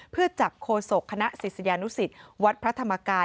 เพื่อจับโฆษกคณะศิษยานุสิตวัดพระธรรมกาย